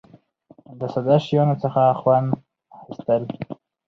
د ساده شیانو څخه خوند اخیستل.